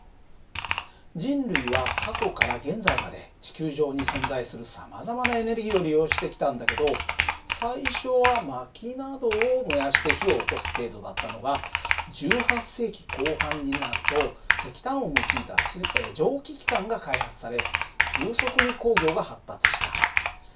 人類は過去から現在まで地球上に存在するさまざまなエネルギーを利用してきたんだけど最初は薪などを燃やして火をおこす程度だったのが１８世紀後半になると石炭を用いた蒸気機関が開発され急速に工業が発達した。